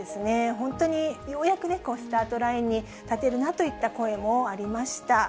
本当にようやくね、このスタートラインに立てるなといった声もありました。